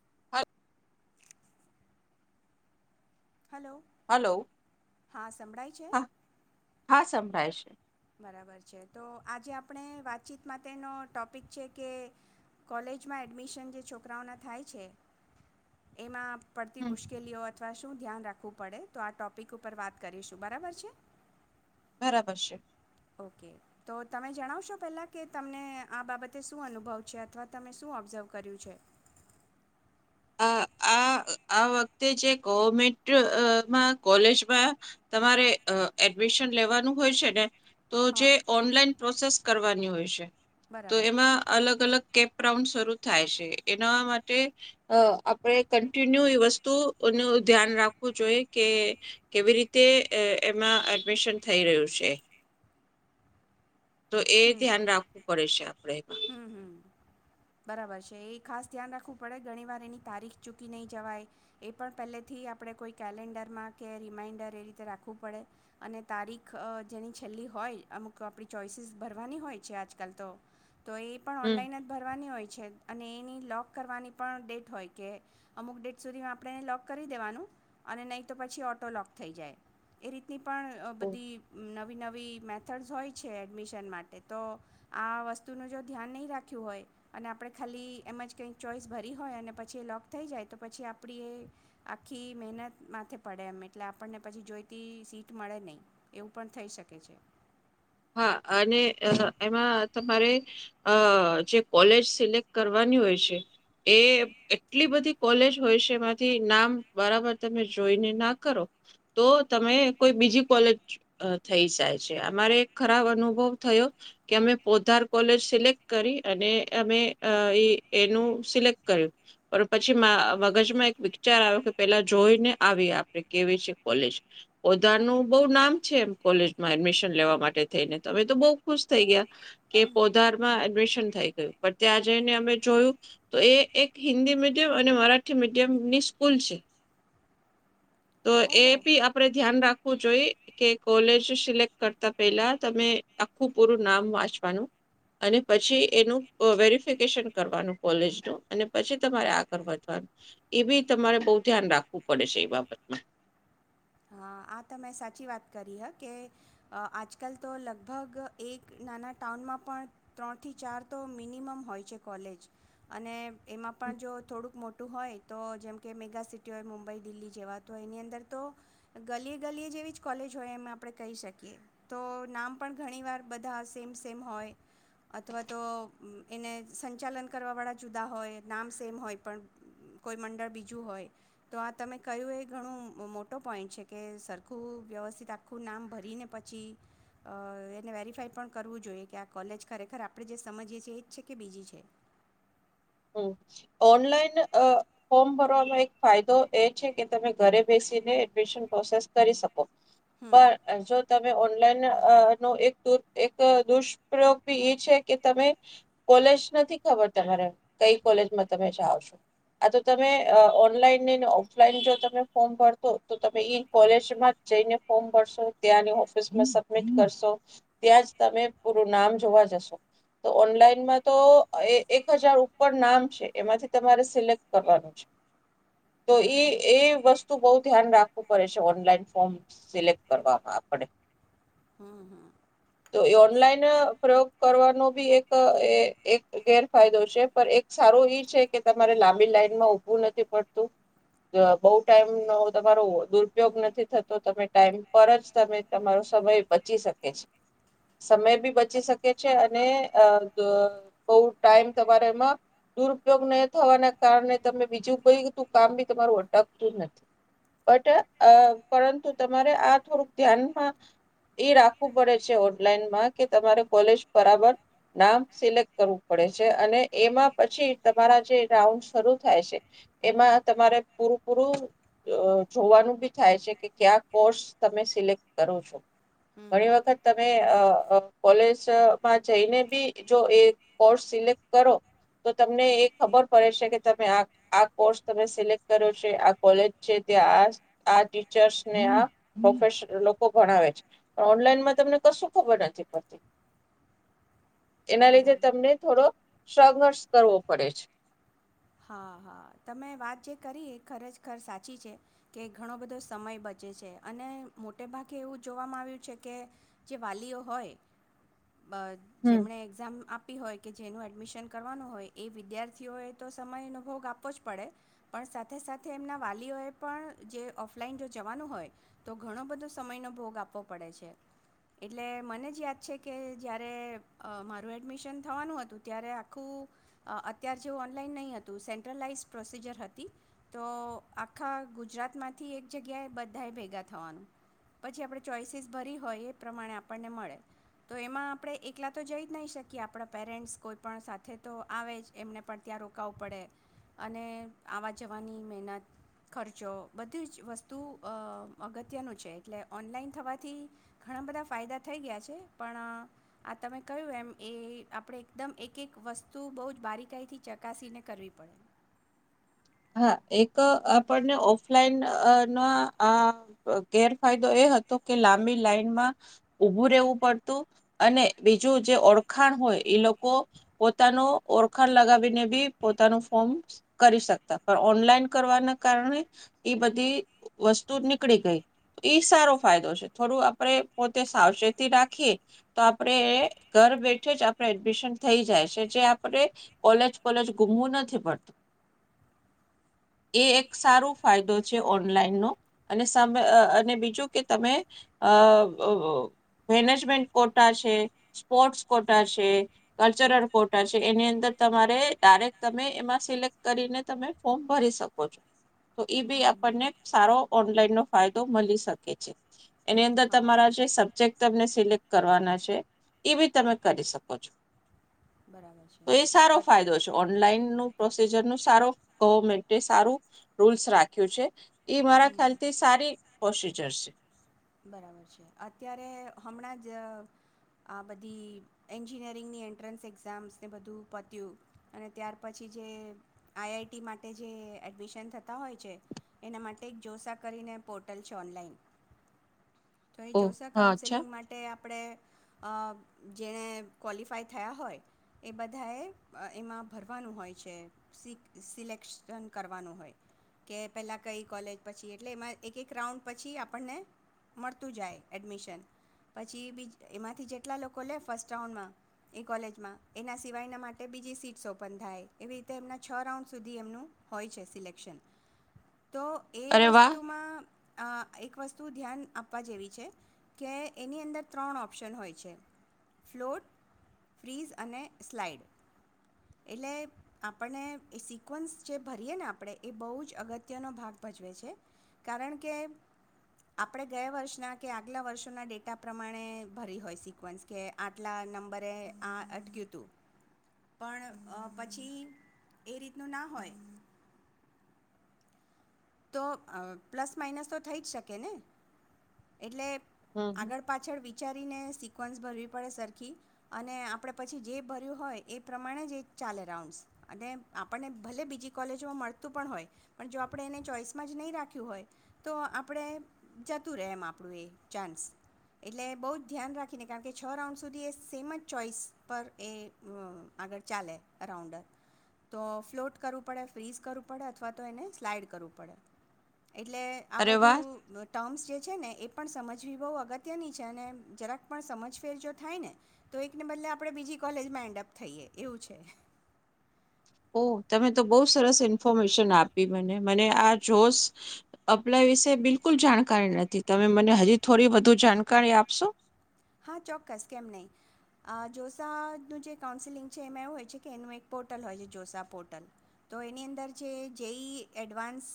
[inaudible] Hello hello હા સંભળાય છે થાય છે બરાબર છે તો આજે આપણે વાતચીત માટેનો ટૉપિક છે કે કોલેજમાં એડમિશન જે છોકરાઓના થાય છે એમાં પડતી હમ મુશ્કેલીઓ અથવા શું ધ્યાન રાખવું પડે તો આ ટોપિક ઉપર વાત કરીશું બરાબર છે બરાબર છે ઓકે તો તમે જણાવશો પહેલા કે તમને આ બાબતે શું અનુભવ છે અથવા તમે શું ઓબ્ઝર્વ કર્યું છે આ આ આ વખતે જે ગવર્મેન્ટમાં કોલેજમાં તમારે એડમિશન લેવાનું હોય છે ને તો હા જે ઓનલાઈન પ્રોસેસ કરવાની હોય છે [inaudible] તો બરાબર એમાં અલગ અલગ કે ઉ શરૂ થાય છે એના માટે અ આપણે કન્ટિન્યુ એ વસ્તુ ન ધ્યાન રાખવું જોઈએ કે કેવી રીતે એમાં એડમિશન થઈ રહ્યું છે તો એ હમ ધ્યાન રાખવું પડે છે આપડે હમ હમ બરાબર છે એ ખાસ ધ્યાન રાખવું પડે ઘણી વાર એની તારીખ ચૂકી નહી જવાય એ પણ પહેલેથી આપડણે કોઈ કેલેન્ડરમાં કે રિમાઈન્ડર એ રીતે રાખવું પડે અને તારીખ જેની છેલ્લી હોય અમુક આપણી ચોઈસીસ ભરવાની હોય છે આજકાલ તો તો એ પણ હમ ઓનલાઈન જ ભરવાની હોય છે અને એની લોક કરવાની પણ ડેટ હોય કે અમુક ડેટ સુધી આપણે એને લોક કરી દેવાનું અને નહી તો પછી ઓટો લોક થઈ જાય એી ની પણ બધી નવી ન નવી મેથડસ હોય છે એડમિશન માટે તો આ વસ્તુ વસ્તુનું જો ધ્યાન નહીં રાખ્યું હોય અને આપણે ખાલી એમ જ કંઈક ચોઈસ ભરી હોય અને પછી એ લોક થઈ જાય તો પછી આપણી એ આખી મહેનત માથે પડે એમ એટલે આપણને પછી જોઈતી સીટ મળે નહીં એવું પણ થઈ શકે છે હા અને એમાં તમારે અ જે કોલેજ સિલેક્ટ કરવાની હોય છે એ એટલી બધી કોલેજ હોય છે એમાંથી નામ બરાબર તમે જોઈને ના કરો તો તમે કોઈ બીજી કોલેજ થઈ જાય છે અમારે ખરાબ અનુભવ થયો કે અમે પોધાર કોલેજ સિલેક્ટ કરી અને અમે એનું સિલેક્ટ કર્યું પણ પછી મગજમાં એક વિચાર આવ્યો કે પેલા જોઈને આવી આપે કેવી છે કોલેજ પોધારનુંું બહ નામ છે એમ કોલેજમાં એડમિશન લેવા માટે થઈને અમે તો બહ ખુશ થઈ ગયા કે પોધારમાં એડમિશન થઈ ગયું પણ ત્યાં જઈને અમે જોયું તો એ એક હિન્દી મીડિયમ અને મરાઠી મીડિયમની સ્કૂલ છે તો એ ઓહો બી આપડે ધ્યાન રાખ ું જોઈ કે કોલેજ સિલેક્ટ કરતા પહેલા તમે આખું પૂરું નામ વાંચવાનું અને પછી એનું વેરિફિકેશન કરવાનું કોલેજનું અને પછી તમારે આગળ વધવાનું એ બી તમારે બહ ધ્યાન રાખવું પડે છે એ બાબત હ હા આ તં સાચી વાત કરી હ કે આજકાલ તો લગભગ એક નાના ટાઉનમાં પણ ત્રણથી ચાર તો મિનિમમ હોય છે કોલેજ અને એમાં પણ જો થોડુંક મોટું હોય તો જેમ કે મેગ સિટી હોય મુંબઈ દિલ્હી જેવા તોય એની અંદર તો ગલીએ ગલીએ જેવી જ કોલેજ હોય એમ આપણે કહી શકીએ તો નામ પણ ઘણીવાર બધા સેમ સેમ હોય અથવા તો એને સંચાલન કરવાવાળા જુદા હોય નામ સેમ હોય પણ કોઈ મંડળ બીજું હોય તો આ તમે કહ્યું એ ઘણું મોટો પોઈન્ટ છે કે સરખું વ્યવસ્થિત આખું નામ ભરીને પછી એને વેરિફાય પણ કરવું જોઈએ કે આ કોલેજ ખરેખર આપણે જે સમજીએ છીએ એ જ છે કે બીજી છે હમ ઓનલાઈન ફોર્મ ભરવામાં એક ફાયદો એ છે કે તમે ઘરે બેસીને એડમિશન પ્રોસેસ કરી શકો હમ પણ જો તમે ન નો એક દુષ્પ્રયોગ ભી એ છે કે તમે કોલેજ નથી ખબર તમારે કઈ કોલેજમાં તમે જાઓ છો આ તો તમે ઓનલાઈનને ઓફલાઈન જો તમે ફોર્મ ભરતો તો તમે ઈ કોલેજમાં જઈને ફોર્મ ભરશો ત્યાંની ઓફિસમાં સબમિટ કરશો ત્યાં જ તમે પૂરું નામ જોવા જશો તો ઓનલાઈનમાં તો એક હજાર પર નામ છે એ હમ હમ પર એક સારું ઈ છે કે તમારે લાંબી લાઈનમાં ઊભું નથી પડતું બહુ ટાઈમનો તમારો દુરુપયોગ નથી થતો તમે ટાઈમ પર જ તમે તમારો સમય બચી શકે છે સમય બી બચી શકે છે અને બ બહુ ટાઈમ તમારે મા દુરુપયોગ નઈ થવાના કારણે તમે બીજું કઈ કામ બી તમારું અટકતું નથી બટ અ પરંતુ તમારે આ થોડુંક ધ્યાનમાં ઈ રાખવું પડે છે ઓનલાઈનમાં કે તમારે કોલેજ બરાબર નામ સિલેક્ટ કરવું પડે છે અને એમાં પછી તમારા જે રાઉન્ડ શરૂ થાય છે એમાં તમારે પૂરું પૂરું અ જોવાનું બી થાય છે કે ક્યા કોર્સ તમે સિલેક્ટ કરો છો. ઘણી હમ વખત તમે અ અ કોલેજમાં જઈને બી જો એ કોર્સ સિલેક્ટ કરો તો તમને એ ખબર પડે છે કે તમે આ કોર્સ તમે સિલેક્ટ કર્યો છે આ કોલેજ છે ત્યાં આ આ ટીચર્સને આ પ્રોફેસર ને આ લોકો ભણાવે છે પણ ઓનલાઈનમાં તમને કશું ખબર નથી પડતી. એના લીધે બરાબર તમને થોડોક સંઘર્ષ કરવો પડે છે. હા હા તમે વાત જે કરી ખરેજ ખર સાચી છે કે ઘણો બધો સમય બચે છે અને મોટે ભાગે એવું જોવામાં આવ્યું છે કે જે વાલીઓ હોય બ હમ જેમને એક્ઝામ આપ પી હોય કે જેનું એડમિશન કરવાનું હોય એ વિદ્યાર્થીઓએ સમયનો ભોગ આપવો જ પડે પણ સાથે સાથે એમના વાલીઓએ પણ જે ઓફલાઈન જો જવાનું હોય તો ઘણો બધો સમયનો ભોગ આપવો પડે છે એટલે મને જ યાદ છે કે જયારે મારું એડમિશન થવાનું હતું ત્યારે આખું અ અત્યાર જેવું ઓનલાઈન નહીં હતું સેન્ટ્રલાઈઝ પ્રોસીજર હતી તો આખા ગુજરાતમાંથી એક જગ્યાએ બધાએ ભેગા થવાનું પછી આપણે ચોઈસીસ ભરી હોય એ પ્રમાણે આપણને મળે તો એમાં આપણે એકલા તો જઈ જ નહીં શકીએ આપણા પેરેન્ટ્સ કોઈ પણ સાથે તો આવે જ એમને પણ ત્યાં રોકાવું પડે અને આવા જવાની મહેનત, ખર્ચો બધી જ વસ્તુ અગત્યનું છે એટલે ઓનલાઈન થવાથી ઘણા બધા ફાયદા થઈ ગયા છે પણ આ તમે કહ્યું એમ એ આપણે એકદમ એક એક વસ્તુ બહુ જ બારીકાઈથી ચકાસીને કરવી પડે. હા એક આપણને ઓફલાઈન ના આ ગેરફાયદો એ હતો કે લાંબી લાઈનમાં ઉભું રેહવું પડતું અને બીજું જે ઓળખાણ હોય એ લોકો પોતાનું ઓળખાણ લગાવીને બી પોતાનું ફોર્મ કરી શક તા ઓનલાઈન કરવાના કારણે ઈ બધી વસ્તુ નીકળી ગઈ ઈ સારો ફાયદો છે થોડું આપણે પોતે સાવચેતી રાખીએ તો આપણે એ એક સારો ફાયદો છે ઓનલાઈનનો અને સ અને બીજું કે તમે અ મેનેજમેન્ટ કોટા છે, સ્પોર્ટ્સ કોટા છે, કલ્ચરલ કોટા છે એની અંદર તમારે ડાયરેક્ટ તમે એમાં સિલેક્ટ કરીને તમે ફોર્મ ભરી શકો છો. તો ઈ બી હમ હમ. આપણને સારો ઓનલાઈનનો ફાયદો મલી શકે છે. એની અંદર તમારા હા જે સબ્જેક્ટ તમને સિલેક્ટ કરવાના છે એ બી તમે કરી શકો છો. બરાબર તો છે એ સારો અ ફાયદો છે ઓનલાઈન ન પ્રોસીજરનું સારો ગવર્મેન્ટે સારું રૂલ્સ રાખ્યું છે. એ મારા હમ ખ્યાલથી સારી પ્રોસીજર છે. બરાબર છે અત્યારે હમણાં જ આ બધી એન્જિનિયરિંગની એન્ટ્રન્સ એક્ઝામ્સને બધું પત્યું અને ત્યાર પછી જે આઈ આઈ ટી માટે જે એડમિશન થતાં હોય છે એના માટે એક જોસા કરીને પોર્ટલ છે ઓનલાઈન તો એ ઓહ જોશા હા અચ્છા કાઉન્સેલિંગ માટે આપણે અ જેણે ક્વલિફાય થયા હોય એ બધાએ એમાં ભરવાનું હોય છે સી સિલેક્શન કરવાનું હોય કે પહેલાં કઈ કોલેજ પછી એટલે એમાં એક એક રાઉન્ડ પછી આપણને મળતું જાય એડમિશન પછી બી એમાંથી જેટલા લોકો લે ફર્સ્ટ રાઉન્ડમાં એ કોલેજમાં એના સિવાયના માટે બીજી સીટ્સ ઓપન થાય એવી રીતે એમના છ રાઉન્ડ સુધી એમનું હોય છે સિલેક્શન તો એ અરે વાહ વસ્તુમાં અ એક વસ્તુ ધ્યાન આપવા જેવી છે કે એની અંદર ત્રણ ઓપ્શન હોય છે ફ્લોટ, ફ્રીઝ અને સ્લાઇડ એટલે આપણને એ સિકવન્સ જે ભરીએ ને આપણે એ બહુ જ અગત્યનો ભાગ ભજવે છે કારણ કે આપ આપણે ગયા વર્ષના કે આગલા વર્ષોના ડેટા પ્રમાણે ભરી હોય સિકવન્સ કે આટલા નંબરે આ અટક્યું હતું પણ પછી એ રીતનું ના હોય. તો અ પ્લસ માઇનસ તો થઈ જ શકે ને એટલે હમ આગળ પાછળ વિચારીને શી ક્વન્સ ભરવી પડે સરખી અને આપણે પછી જે ભર્યું હોય એ પ્રમાણે જ એ ચાલે રાઉન્ડ્સ અને આપણને ભલે બીજી કોલેજોમાં મળતું પણ હોય પણ જો આપણે એને ચોઈસમાં જ નહીં રાખ્યું હોય તો આપણે જતું રહે એમ આપણું એ ચાન્સ એટલે બહુ જ ધ્યાન રાખીને કારણ કે છ રાઉન્ડ સુધી એ સેમ જ ચોઈસ પર એ આગળ ચાલે રાઉન્ડર તો ફ્લોટ કરવું પડે ફ્રીઝ કરવું પડે અથવા તો એને સ્લાઈડ કરવું પડે. પડ. એટલે આ અરે બધું વાહ ટર્મ્સ જે છે ને એ પણ સમજવી બહુ અગત્યની છે અને જરાક પણ સમજ ફેર જો થાય ને તો એકને બદલે આપણે બીજી કોલેજમાં એન્ડઅપ થઈએ એવું છે. ઓ તમે તો બહુ સરસ ઇન્ફોર્મેશન આપી મને મને આ જોશ અપ્લાય વિશે બિલકુલ જાણકારી નથી તમે મને હજી થોડી વધુ જાણકારી આપશો? હા ચોક્કસ કેમ નહીં જોસાનું જે કાઉન્સલિંગ છે એમાં એવું હોય છે કે એનું એક પોર્ટલ હોય છે જોસા પોર્ટલ તો એની અંદર જે જેઈ એડવાન્સ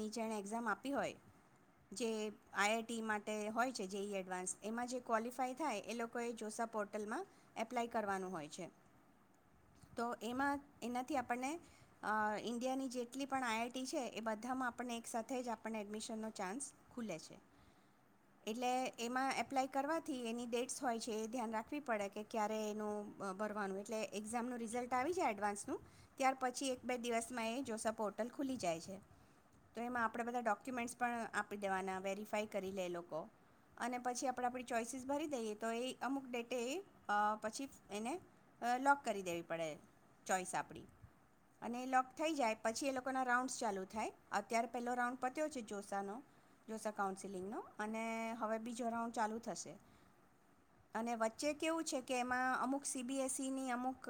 નીચેણે એક્ઝામ આપી હોય જે આઈઆઈટી માટે હોય છે જિ એડવાન્સ એમાં જે ક્વૉલિફાય થાય એ લોકોએ જોસા પોર્ટલમાં એપ્લાય કરવાનું હોય છે તો એમાં એનાથી આપણને ઇન્ડિયાની જેટલી પણ આઈઆઈટી છે એ બધામાં આપણને એકસાથે જ આપણને એડમિશનનો ચાન્સ ખુલે છે એટલે એમાં એપ્લાય કરવાથી એની ડેટ્સ હોય છે એ ધ્યાન રાખવી પડે કે ક્યારે એનું ભરવાનું એટલે એક્ઝામનું રિઝલ્ટ આવી જાય એડવાન્સનું ત્યાર પછી એક બે દિવસમાં એ જોસા પોર્ટલ ખુલી જાય છે તો એમાં આપણે બધા ડોક્યુમેન્ટ્સ પણ આપી દેવાના વેરીફાય કરી લે લોકો અને પછી આપ આપણે આપણી ચોઈસીસ ભરી દઈએ તો એ અમુક ડેટે એ પછી એને લોક કરી દેવી પડે ચોઈસ આપણી અને એ લોક થઈ જાય પછી એ લોકોના રાઉન્ડસ ચાલુ થાય અત્યારે પહેલો રાઉન્ડ પત્યો છે જોસાનો જોસા કાઉન્સલિંગનો અને હવે બીજો રાઉન્ડ ચાલુ થશે અને વચ્ચે કેવું છે કે એમાં અમુક સીબીએસઇની અમુક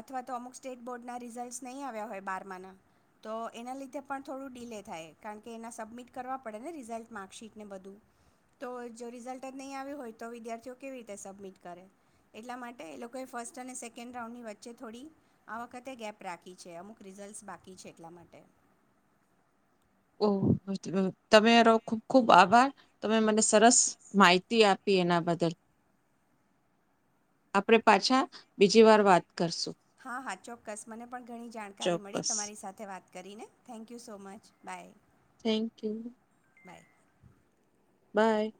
અથવા તો અમુક સ્ટેટ બોર્ડના રિઝલ્ટસ નહીં આવ્યા હોય બારમાના તો એના લીધે પણ થોડું ડીલે થાય કારણ કે એના સબમિટ કરવા પડે ને રિઝલ્ટ માર્કશીટને બધું તો જો રિઝલ્ટ જ નહીં આવ્યું હોય તો વિદ્યાર્થીઓ કેવી રીતે સબમિટ કરે એટલા માટે એ લોકોએ ફર્સ્ટ અને સેકન્ડ રાઉન્ડની વચ્ચે થોડી આ વખતે ગેપ રાખી છે અમુક રિઝલ્ટસ બાકી છે એટલા માટે તમે રહો ખુબ ખુબ આભાર તમે મને સરસ માહિતી આપી એના બદલ આપડે પાછા બીજી વાર વાત કરશું હા હા ચોક્કસ મને પણ ઘણી જાણકારી મળી ચોક્કસ તમારી સાથે વાત કરીને thank you so much bye. Thank you. Bye. By.